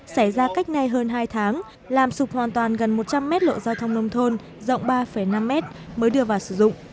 xảy ra cách nay hơn hai tháng làm sụp hoàn toàn gần một trăm linh mét lộ giao thông nông thôn rộng ba năm mét mới đưa vào sử dụng